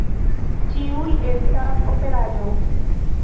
Ĉiuj estas operaĵo.